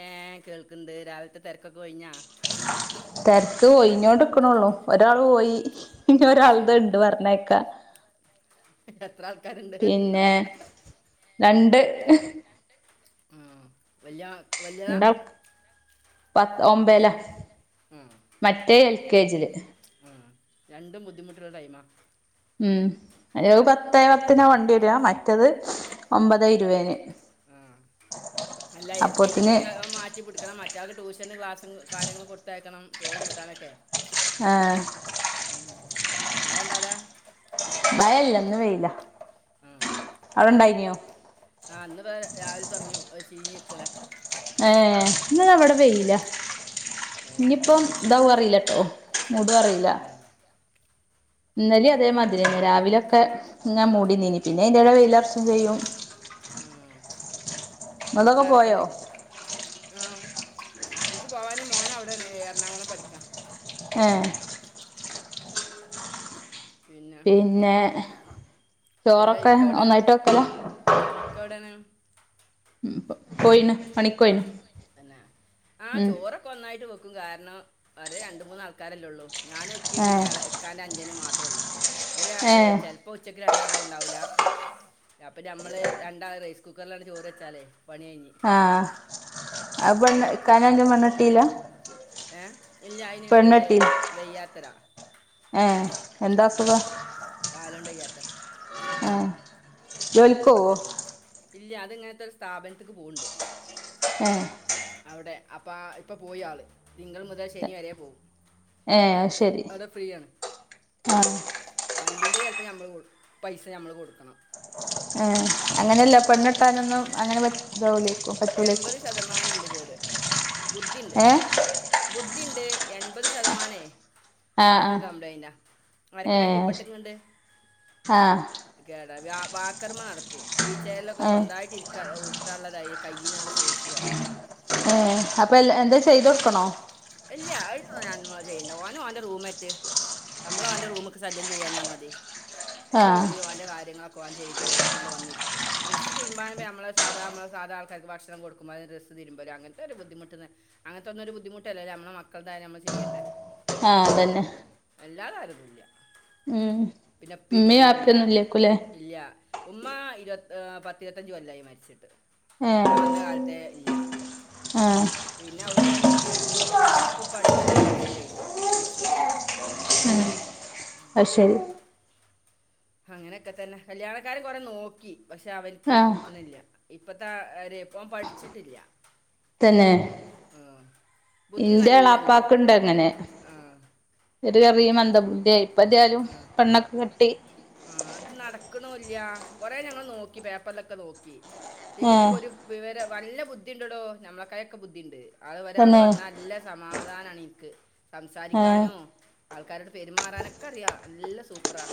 ഏഹ് കേൾക്ണ്ട് രാവിൽത്തെ തെര്ക്കൊക്കെ ഒഴിഞ്ഞാ. തെരക്ക് ഒയിഞ്ഞോണ്ട്ക്ക്ണോള്ളൂ ഒരാൾ പോയി ഇഞ് അത് ഒരാൾത് ശരി ണ്ട് പർഞയ്ക്കാൻ. എത്രാൾക്കാര് പിന്നെ രണ്ട് ഉം വല്യ വല്യതാ പത് ഒമ്പേലാ. ഉം മറ്റഹ് എൽ കെ ജില്. ആഹ് രണ്ടും ബുദ്ധിമുട്ടുള്ള ടൈമാ. ഉം അയ്നത് പത്തേ പത്തിനാ വണ്ടി വെര. മറ്റത് ഒമ്പതെ ഇരൂവേന്. ആഹ് അല്ല എൽ കെ ജി അപ്പോത്തിന് കുട്ട്യാളെ അഹ് മാറ്റിപിടിക് ക്കണം മറ്റാൾക്ക് ട്യൂഷന് ക്ലാസും കാര്യങ്ങളും കൊടുത്തയക്കണം ചോറും കൂട്ടാനൊക്കെ. ആഹ് ഉം മയണ്ടൊ അവ്ടെ? മയല്ല, ഇന്ന് വെയിലാ. അവ്ടെണ്ടായിന്യോ? ആഹ് ഇന്ന് ബടെ രാവിലെ തൊടങ്ങ്യ ഒരു ചീഞ്ഞ് നിക്കല. ഏഹ് ഇന്ന് ന്നാ ഇവടെ വെയിലാ. ഏ ഇനിപ്പം ഇതാവോ അറീലട്ടോ. മൂടോ അറീല്ല. ആ, ഇന്നലിം ഈ- അതേമാതിര്യെന്ന രാവിലെക്ക ഇങ്ങ മൂടി നിന്നീനി. പിന്നെ അയ്ന്റെടെ വെയിലർച്ചും ചെയ്യും. ഉം ഇങ്ങളതൊക്കെ പോയോ വീട്ട്ലാരെക്കെണ്ട്? ആം. ഇൻക്ക് പോവാന് മോനവ്ടേണ്. എറണാകുളം പഠിക്കാ. ഏഹ്. പിന്നെ ചോറൊക്കെ, ഒന്നായിട്ട് വെക്കലാ? ഇക്ക എവിടെണ്? പോയിണ് പണിക്കോയിണ്. തന്നെ. ആഹ് ഉം ചോറൊക്കെ ഒന്നായിട്ട് വെക്കും. കാരണം ഒരെ രണ്ട് മൂന്നാൾക്കാരെല്ലെ ഒള്ളൂ. ഞാന് ഇക്കിം പിന്നെ ഏഹ് എള ഇക്കാന്റെ അഞ്ചനും മാത്രൊള്ളൂ. ഇവര് ഏഹ് ചെലപ്പോ ഉച്ചക്ക് രണ്ടാളുണ്ടാവൂല. അപ്പ ഞമ്മള് രണ്ടാള് റൈസ് കുക്കറിലങ്‌ട്ട് ചോറ് വെച്ചാലേ പണി കഴിഞ്ഞ് ആഹ് ഉം, അഹ് പെണ്ണ്, ഇക്കാന്റെഞ്ചൻ പെണ്ണെട്ടീല്ല? ഏഹ് ഇല്ല അയ്ന് ഒര് പെണ്ണെട്ടി വയ്യാത്തൊരാളാ. ഏഹ് എന്താ അസുഖം കാലൊണ്ടയ്യാത്ത ആഹ് ഇല്ല അത് ഇങ്ങനത്തെ ഒരു സ്ഥാപനത്ത്ക്ക് പോവുണ്ട് ഏഹ് അവിടെ അപ്പ ഇപ്പ പോയി ആള് തിങ്കൾ മുതൽ ശനി വരെ പോവും ഏഹ് അത് ശരി അവിടെ ഫ്രീയാണ് ആഹ് വണ്ടീന്റെ ചെലപ്പം ഞമ്മള് പൈസ ഞമ്മള് കൊടുക്കണം ഏഹ് അങ്ങനെല്ല പെണ്ണട്ടാനൊന്നും അങ്ങനെപറ്റ് ഇതാവുലേക്കും എമ്പത് ശതമാനണ്ട് കേട് ബുദ്ധിണ്ട് ഏഹ് ബുദ്ധിണ്ട് എൺപത് ശതമാനേ ആഹ് ആൾക്ക് ആഹ് കംപ്ലൈന്റ ഏഹ് വരക്കനകീപ്പട്ട്ങ്ങണ്ട് ആഹ് കേടാ വ വാക്കറമ്മ നടക്കും വീൽച്ചേർലൊക്കെ ഏഹ് സ്വന്തായിട്ട് ഇരിക്ക ഉര്ട്ടാനുള്ള ദയ് കയ്യിനുള്ള ശേഷി കുറവാണ് ഏഹ് അപ്പൊ എൽ എന്തോ ചെയ്തോടുക്കണോ ഇല്ല [unintelligible] ചെയ്യണ്ട ഓൻ ഓന്റെ റൂം [unintelligible] നമ്മള അവന്റെ റൂമ്ക്ക് ശല്യം ചെയ്യാഞ്ഞാ മതി ഓന്റെ ആഹ് കുളിയും അവന്റെ കാര്യങ്ങളക് കോൾ ചെയ്ത് അങ്ങട് വന്നിരിക്കും ഡ്രസ് തിരുമ്പാനായിട്ട് നമ്മള് സാദാ സാധാരണ അയൽവാസികൾ കൊടുക്കുമ്പോലെ ഡ്രസ്സ് തിരുമ്പലോ അങ്ങനത്തെ ഒരു ബുദ്ധിമുട്ട് അങ്ങനത്തെ ഒന്നും ഒരു ബദ്ധിമുട്ടല്ലല്ലോ നമ്മടെ മക്കളുടെ തായ നമ്മൾ ചെയ്യണ്ടേ ആഹ് അതന്നെ എല്ലാതാരന്നുംല്ല ഉം ഉമ്മയും പിന്നെപ്പീമ്മൊന്നുല്ല്യ വാപ്പയൊന്നും ഇല്ലേക്കൂലേ ഇല്ല്യ ഉമ്മ ഇരുപത്തി പത്തിരുപത്തഞ്ച് കൊല്ലായി മരിച്ചിട്ട് ഏഹ് ഞാൻ വന്ന കാലത്തെ ഇല്ല ആഹ് പിന്നെ അവിടുന്ന് കഴിഞ്ഞ് പിന്ന ഇപ്പപ്പ അടുത്ത അഞ്ചു വർഷം കഴിഞ്ഞ് മരിച്ചിട്ട് ആഹ് അത് ശെരി അങ്ങനെയൊക്കെ തന്നെ കല്യാണക്കാര്യം കൊറെ നോക്കി പക്ഷെ അവന്ക്ക് ആഹ് കിട്ടുന്നില്ല ഇപ്പത്ത രെ ഇവൻ പഠിച്ചിട്ടില്ല തന്നെ ആഹ് ബുദ്ധി ഇന്റെ നല്ലണ്ട് ആഹ് എന്റെ [unintelligible] മന്ത ബുദ്ധിയ ഇപ്പ എതായാലും ആഹ് പെണ്ണൊക്കെ കെട്ടി ആഹ് അത് നടക്കണുല്ല കുറെ ഞങ്ങൾ നോക്കി പേപ്പറിലൊക്കെ നോക്കി ഈ ഏഹ് കുട്ടിക്കൊരു വിവര നല്ല ബുദ്ധിണ്ട്ടോ നമ്മളെ കായൊക്കെ ബുദ്ധിയുണ്ട് അത് ഒരാള് തന്നെ വന്നാൽ നല്ല ല്ല സമാധാനമാണ് എനിക്ക് ഏഹ് സംസാരിക്കാനും ആൾക്കാരോട് പെരുമാറാനൊക്കെ അറിയാ നല്ല സൂപ്പറാ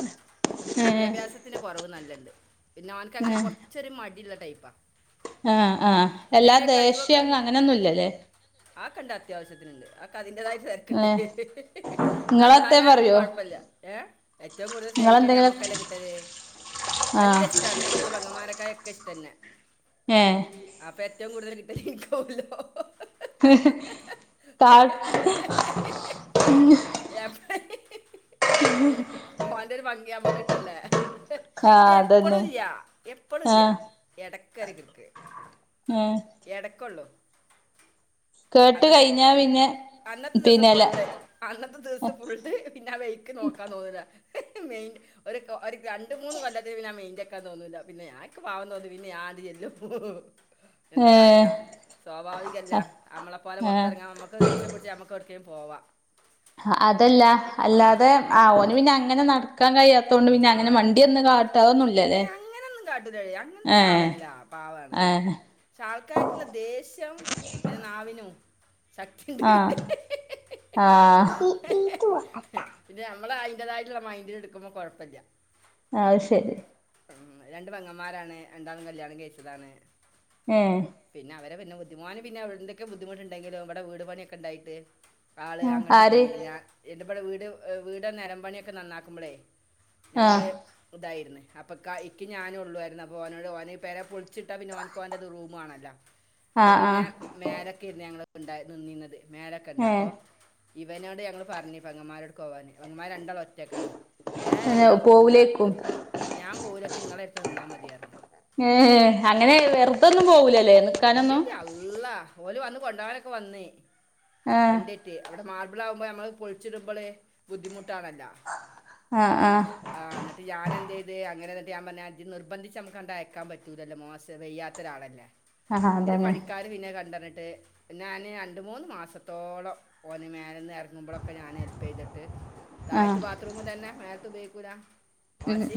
പക്ഷെ ഏഹ് വിദ്യാഭ്യാസത്തിന് കുറവ് നല്ലണ്ട് പിന്നെ അവനക്ക്ങ്ങനെ ഏഹ് കുറ ച്ചൊരു മടിള്ള ടൈപ്പ ആഹ് ആഹ് അല്ലാ ദേഷ്യങ്ങ അങ്ങനൊന്നും ഇല്ലല്ലേ ആക്കണ്ട് അത്യാവശ്യത്തിനുണ്ട് ആക്ക് അതിന്റതായ തിരക്കണ്ട് ഏഹ് ഇങ്ങളെത്തേം നന്നായാ ഒന്നും പറയോ കൊഴപ്പമില്ല ഏറ്റവും കൂടുതൽ സ്നേഹിക്കല് ഇങ്ങളെന്തെങ്കിലും ഞമ്മക്കല്ലേ കിട്ടല് ആഹ് ഇതാണ് ഏറ്റവും പെങ്ങമ്മാരക്കായൊക്കെ ഇഷ്ട എന്നെ ഏഹ് അപ്പൊ ഏറ്റവും കൂടുതൽ കിട്ടല് എനിക്കൊല്ലോ [unintelligible] മോന്റെ ഒരു പങ്ക് ഞമ്മക്ക് കിട്ടല്ലേ ഇല്ല ആഹ് അതന്നെ എപ്പളുല്ല എപ്പളുല്ല ആഹ് എടക്കെടക്ക് ആഹ് എടക്കൊള്ളൂ കേട്ട് അന്നത്തെ കഴിഞ്ഞാ പിന്നെ അന്നത്തെ ദിവസം പിന്നെല്ല പൊള്ളേ അന്നത്തെ ഫുള്ള് പിന്നെ വെക്ക് നോക്കാ തോന്നല മെയി ഒരു ഒരു രണ്ട് മൂന്ന് കൊല്ലത്തിൽന് പി ൻ മെയിൻറ ആക്കാ തന്നില്ല പി ഞ ക്കെ പാവുന്നന്ന് പിന്നെ ആദ്യ ചെല്ലും എന്താ ഏഹ് കാറ്റാ സ്വാഭാവികല്ല നമ്മളെ പോലെ ഏഹ് പുറത്തിറങ്ങാൻ നമക്ക് ദേഷം പിടിച്ച് നമുക്ക ട്ക്കേലും പോവാം അതല്ല ഏ അല്ലാതെ ആ ഓന് പിന്നെ അങ്ങനെ നടക്കാൻ കഴിയാത്ത ത്തോണ്ട് പിന്നെ അങ്ങനെ ആ മണ്ട്യന്ന കാട്ട അതൊന്നുമല്ലല്ലേ ഏയ് അങ്ങനൊന്നും കാട്ടൂലടി അങ്ങനത്തെ ഏഹ് ഒരാളല്ല പാവാണ് ഏഹ് പക്ഷെ ആൾക്കായിട്ടുള്ള ദേഷ്യം പിന്നെ നാവിനു ആഹ് ആഹ് പിന്നെ നമ്മള അതിന്റേതായിട്ടുള്ള മൈന്ഡന് എടുക്കുമ്പോ കുഴപ്പല്ല ആഹ് ശരി രണ്ട് പങ്ങന്മാരാണ് രണ്ടാളും കല്ല്യാണം കഴിച്ചതാണ് ഏഹ് പിന്നെ അവരെ പിന്നെ ബദ്ധിമാൻ പിന്നെ എടെന്തൊക്കെ ബുദ്ധിമുണ്ടെങ്കിലുംവിടെീട് പണിയൊക്കെ ഉണ്ടായിട്ട് ആള് അങ്ങോട്ട് ആര് പോയില്ല ഞാൻ എന്റെറെപ്പടെ വീട് വീട നിരം പണിയൊക്കെ നന്നാക്കുമ്പോളേ ആഹ് ഞങ്ങള് ഇതായിരുന്നു അപ്പൊ ഇക്ക് ഞാനും ഉള്ളയിരുന്നു അപ്പൊ അവഓനോട് അവന പേരെ പൊളിച്ച ച്ചിട്ട നോൻകവാറത് റൂം ആണല്ലോ അ ആഹ് പിന്നെ ആഹ് മേലൊക്കെ ഇരുന്നു ഞങ്ങ ഉണ്ട നിന്നിന്നത് മേലൊക്കെ ഉണ്ട് അപ്പോ ഇവനോട് ഞങ്ങൾ പറഞ്ഞി പെങ്ങമാരോട് പോവാന് പെങ്ങമ്മാര് രണ്ടാളും ഒറ്റക്കാണ് ഏയ് ഞാൻ ഏഹ് പോവുല നിക്ക് പോവൂലേക്കും ഞാൻ പോവൂല ഇക്ക് ഇങ്ങളെടുത്ത് നിന്നാൽ മതിയായിരുന്നു ഏ അങ്ങനെ ആഹ് ആഹ് വെറുതൊന്നും പോവൂലല്ലേ നിക്കാനൊന്നും ഇല്ലില്ല അല്ലാഹ് ഓലി വന്ന് കൊണ്ടപോനൊക്കെ വന്ന് ആഹ് വണ്ടി് മേ അവിടെ മാർബിൾ ആകുമ്പോ നമ്മള് പൊളിച്ചിടുമ്പോള് ബുദ്ധിമുട്ടണല്ല ആഹ് ആഹ് ആഹ് എന്നിട്ട് ഞാനെന്ത് ചെയ്ത് അങ്ങനെ എന്നിട്ട് ഞാൻ പറഞ്ഞു ഇത് നിബന്ദിച്ച് നമുക്ക്ണ്ട അയക്കാ പറ്റില്ലല്ലോം മോശ വെയ്യാൽ രാളല്ലേ ആഹ് പിന്നെ അതന്നെ പണിക്കാര് പിന്നെ കണ്ടന്നിട്ട് ഞാാന് രണ്ട് മൂന്ന് മാസത്തോളം ഓന് മേലന്ന് ഇറങ്ങുമ്പോഴൊക്കെ ഞാൻ ഹെല്പ് ചെയ്തിട്ട് ആഹ് താഴത്ത് ബാത്റൂം തന്നെ മേലത്ത ഉപയോഗിക്കൂില്ല വാശി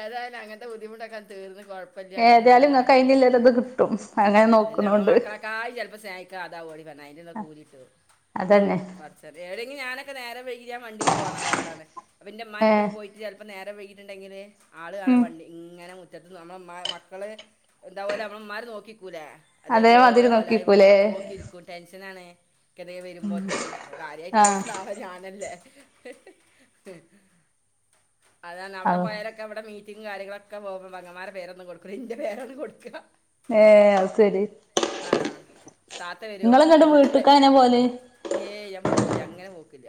ഏതാലും അങ്ങനത്തെ ബുദ്ധിമുട്ടക്ക ഒന്ന് തീർന്ന് ഏതായാലും അൽഹംദുലില്ലാഹ് ഇങ്ങക്ക് അയിന്ല്ലൊരിത് കിട്ടും അങ്ങനെ അതന്നെ നമ്മെ നോക്കണോണ്ട് മക്കളെക്കായ ചിലപ്പോ സ്നേഹിക്ക കാദാ ഓടി പറഞ്ഞ അതിന്റെറെന്നെ കൂലിട്ട് അതന്നെ പറ ഏടെെങ്കില ഞാനൊക്കെ നേരം വൈകിയ വണ്ടിമ പോണ ഒരാളാണ് അപ്പ ഇന്റെ ഏഹ് ഇമ്മാന്റടുത്തൊക്കെ പോയി ചിലപ്പോം നേരം വൈകിയിട്ടുണ്ടെങ്കിൽ ആൾ ആടെ ഉം വണ്ടി ഇങ്ങനെ നമ്മള് മക്കള് എന്താ പോലെ നമ്മള മാറി നോക്കിക്കൂലെ അതേമാതിരി അതേപോലെ വലായ്മ നോക്കിക്കൂലേ നോക്കിയിരിക്കുംണ്ട് ടെൻഷനാണ് കെടെ വരുമ്പോഴത്തിന് അപ്പോൾ കാര്യമായിട്ട് ആഹ് നോക്കുന്ന ആള ഞാനല്ലേ അതാണ് അവിടെ ആഹ് പോയാല അവിടെ മീറ്റിംഗ് കാര്യങ്ങളൊക്കെ പോവുമ്പോൾ പെങ്ങമാര പേരൊന്നും കൊടുക്കൂല്ല ഇന്റെ പേരൊണ് കൊടുക്ക ഏഹ് അത് ശരി ആഹ് താത്ത വരും ഇങ്ങളിങ്ങട്ട് എന്ത്‌ണ്ടെ വീട്ട്ക്ക് എങ്ങനെ പോവല് ഏയ് ഞാൻ പോക്കില്ല അങ്ങനെ പോക്കില്ല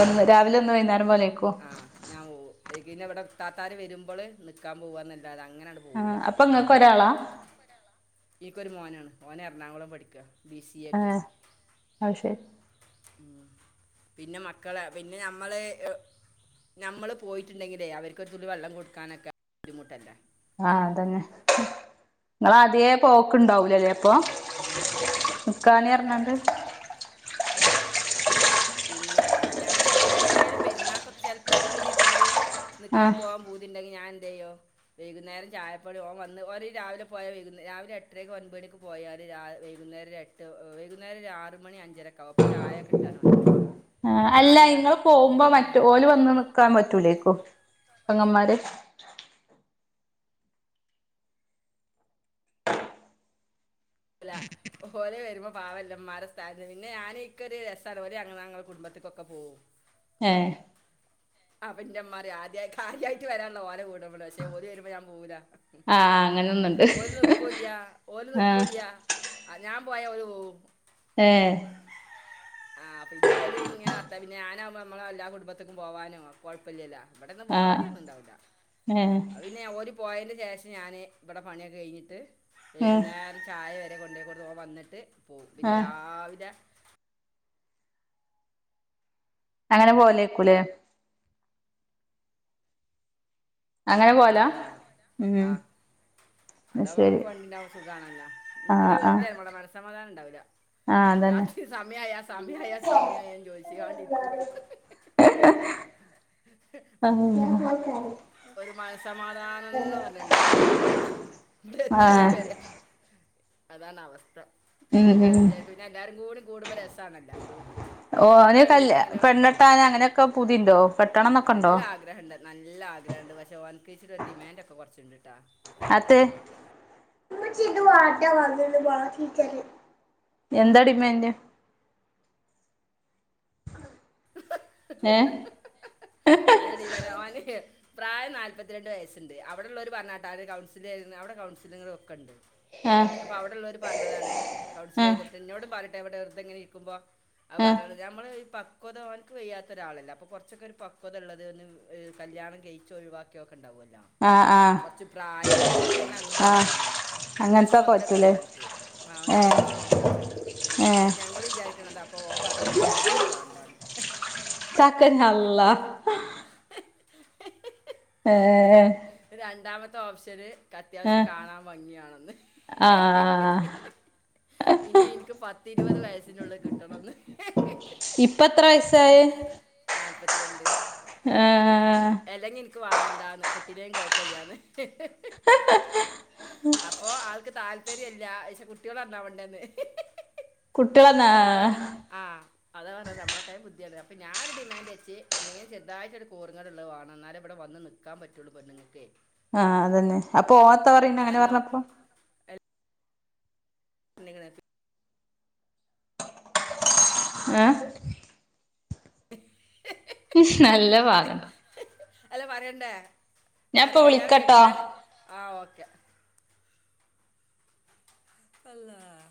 ഒന്ന് രാവിലെ ഒന്ന് വൈന്നേരം പോലേക്കോ ആഹ് ഞാൻ പോകും [unintelligible] ഇവിടെ ഇത്താത്താര് വെരുമ്പള് നിക്കാൻ പോവാന്നല്ലാതെ അങ്ങനെ ആണ്ട് ആഹ് അപ്പൊ ഇങ്ങക്ക് ഒരാളാ ഇനിക്കൊരു മോനാ ഓൻ എറണാകുളം പഠിക്കാ ബി സി എക്ക് ഏഹ് അത് ശരി ഉം പിന്നെ മക്കളാ പിന്നെ ഞമ്മള് എ ഞമ്മള് പോയിട്ടുണ്ടെങ്കിലേ അവർക്ക് ഒരു തുള്ളി വെള്ളം കൊടുക്കാനൊക്കെ ബുദ്ധിമുട്ടല്ലേ ആഹ് അതന്നെ ഇങ്ങളാദ്യേ പോക്ക്ണ്ടാവൂലാല്ലേ അപ്പൊ [unintelligible] ആ പറഞ്ഞാണ്ട് പിന്നെ ഞാന് എപ്പളേലും പെരുന്നാക്ക് ചെലപ്പോ ഒരു പൂതി ഇണ്ടെങ്കില് നിക്കാൻ ആഹ് പോവാൻ പൂതിണ്ടെങ്കി ഞാൻ എന്ത്‌ ചെയ്യും വൈകുന്നേരം ചായപ്പൊടി ഓൻ വന്ന് ഓര് ഈ രാവിലെ പോയാ വെയ്കുന്നേ രാവിലെ എട്ടരയ്ക്ക് ഒൻപതണിക്കും പോയാല് രാ വെയ്കുന്നേരം ഒര് എട്ട് വൈകുന്നേരം ആറ് മണി അഞ്ചരക്കെ ആകും അപ്പോ ചായ കിട്ടണം ഓനിക്ക് ആഹ് അല്ല ഇങ്ങള് പോകുമ്പോ മറ്റ് ഓല് വന്ന് നിക്കാൻ പറ്റൂലായിക്കും പെങ്ങന്മാര് ഇല്ല ഓല് വെരുമ്പം പാവല്ലേ ഉമ്മാരെ സാഹചര്യം പിന്നെ ഞാനി ഇക്കൊരു രസാണ് ഓര് ഞങ്ങ ഞങ്ങളെ കുടുംബത്തിക്കൊക്കെ പോവും ഏഹ് അപ്പ ഇൻ്റെ ഉമ്മ പറയും ആദ്യാ കാര്യായിറ്റ് വരാൻളള ഓലെ വീടാവിടെ പക്ഷെ ഓല് വെരുമ്പോ ഞാൻ പോവൂലാ ആഹ് അങ്ങനൊന്നുണ്ട് ഓരു നിക്കോല്ല ഓല് നിക്ക് ആഹ് ആഹ് ഞാൻ പോയാ ഓല് പോവും ഏഹ് ആഹ് പിന്നെ ഓല് ഇങ്ങനെ വർത്താനം പിന്നെ ഞാനാവുമ്പം നമ്മളെ എല്ലാ കുടുംബത്തേക്കും പോവാനും കൊഴപ്പല്ലല്ലോ ഇവിടെന്ന് ആഹ് ബോറടിയൊന്നും ഇണ്ടാവില്ല ഏഹ് അത് പിന്നെ ഒരു പോയേൻ്റെ ശേഷം ഞാന് ഇവിടെ പണിയൊക്കെ കഴിഞ്ഞിട്ട് ഉം വെയ്കുന്നേര ചായ വരെ കൊണ്ടോയി കൊടുത്ത് ഓൻ വന്നിട്ട് പോവും പിന്നെ ആഹ് രാവിലെ അങ്ങനെ പോവലേയ്ക്കൂലേ? അങ്ങനെ പോവലാ? ഒരാൾ കാണും ഉം ആ അത് അതാവുമ്പോ ശരി നമ്മക്ക് വണ്ടിണ്ടാവുമ്പോ സുഖാണല്ലോ ആഹ് നിക്ക്ണത് ആഹ് വെറുതെ നമ്മളെ മനസ്സമാധാനം ഇണ്ടാവൂല്ല ആഹ് അതന്നെ രാത്രി സമയായ സമയായ സമയായന്ന് ചോയ്ച്ച്കാണ്ടിരിക്കും ആഹ് ഉം ഒരു മനസ്സമാധാനന്ന് പറഞ്ഞത് ഇണ്ടാവൂല ഇവടെ എത്തണത് വരെ അതാണ് അവസ്ഥ പിന്നെ വേം ഉം വിചാരിക്കും, പിന്നെ എല്ലാരും കൂടി കൂടുമ്പോ രസാണല്ലോ പോക്ക് ഓഹ് എത്ര അവന് കല്യാ പേരില്ലെങ്കിലോ പെണ്ണെട്ടാൻ അങ്ങനെയൊക്കെ പൂതിണ്ടോ? കെട്ടണന്നൊക്കെണ്ടോ? നല്ല ആഗ്രഹമുണ്ട് നല്ല ആഗ്രഹണ്ട് പക്ഷേ, ഓൻകേയ്റ്റ്ള്ള ഡിമാൻഡോക്കെ കൊറച്ച്ണ്ട്ട്ടാ അത് എന്താ ഡിമാൻഡ്? ഏ നല്ല ഡിമാൻഡാ ഓന് പ്രായം നാല്പത്തിരണ്ട് വയസ്സ്ണ്ട് അവിടെള്ളോരു പറഞ്ഞാട്ടാ [unintelligible] കൗൺസിലെയ്യുന്നെ അവിടെ കൗൺസിലറും ഒക്കെണ്ട് ആഹ് അപ്പ അവിടെള്ളോര് പറഞ്ഞതാണ് കൗൺസിൽ ചെയ്തിട്ട് ഇന്നോടും [unintelligible] വെറുതെങ്ങനെ ഇരിക്കുമ്പോ അത് ആ [unintelligible] നമ്മള് ഈ പക്ക് പക്വത ഓൻക്ക് വയ്യാത്ത ഒരാളല്ലേ അപ്പോ കൊറച്ചൊക്കെ ഒരു പക്വത ഇള്ളത് ഒന്ന് കല്യാണം കയിച്ച് ഒഴിവാക്കിയതൊക്കെ ഇണ്ടാവല്ലോ ആഹ് ആഹ് കൊറച്ച് പ്രായള്ളത് ഞങ്ങളങ്ങനെ നോക്കാനാണ് അത്യാവശ്യം അങ്ങനത്തൊക്കെ മുതലൊക്കെ പറ്റൂലേ ഇണ്ടോര്ക്ക് ആ ഏ ഒൻക്ക് അത്യാവശം മുതലൊക്കെ ഇണ്ട് ഏ അപ്പോ ഞങ്ങൾ വിചാരിക്കണത് അപ്പൊ ഓൻ പറഞ്ഞ് ൻക്ക് സെക്കനൻഡ് വേണ്ടാന്ന് ചാക്കൻ ഹള്ളാ ഏ രണ്ടാമത്തെ ഓപ്ഷന് ക്ക് ഏ അത്യാവശ്യം കാണാൻ ഭംഗിയാണംന്ന് ആ പിന്നെ ഇൻക്ക് പത്തിരുപത് വയസിനുള്ളിൽ കിട്ടണംന്ന് ഇപ്പത്ര വയസായി നാല്പത്തിരണ്ട് ഏഹ് ൻക്ക് വാണ്ടാന്ന് കെട്ടില്ലേലും കൊഴപ്പല്ലാന്ന് അപ്പൊ ആൾക്ക് താല്പര്യല്ല പക്ഷെ കുട്ട്യാൾ നന്നാവണ്ടേന്ന് കുട്ടികളെന്നാ അതാ പറഞ്ഞെ ആഹ് അതാ പറഞ്ഞെ നമ്മളക്കതെ ബുദ്ധിയാണ് അപ്പോ ഞാരു ഡിമാൻഡ് വെച്ച് എന്തെങ്കിലും ചെറുതായിട്ട് ഒരു കോറങ്ങേട് ഉള്ള വാണം ഇന്നാലെ ഇബടെ വന്ന് നി നിക്കാൻ പറ്റള്ളൂ പെണ്ണ്ങ്ങൾക്കേ ആഹ് അതന്നെ അപ്പൊ ഓൻ ത്താ പറീണേ അങ്ങനെ കാരണം പറഞ്ഞപ്പോ നിങ്ങ ഏഹ് നല്ല പാഗണ്ട് അല്ല പറയണ്ടേ ഞാൻപ്പൊ കാര്യം കല്യാണം വിളിക്കട്ടോ കഴിപ്പിക്കാൻ ആഹ് ഓക്കെ അള്ളാഹ്